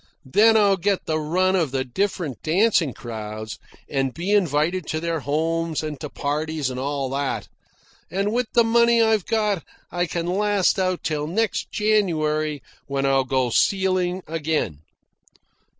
Then I'll get the run of the different dancing crowds, and be invited to their homes, and to parties, and all that, and with the money I've got I can last out till next January, when I'll go sealing again."